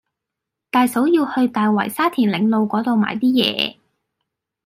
大嫂要去大圍沙田嶺路嗰度買啲嘢